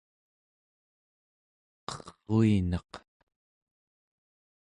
qerruinaq